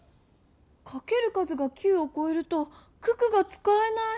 かける数が９をこえると九九がつかえない！